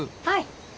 はい。